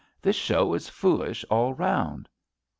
This show is foolish all round.'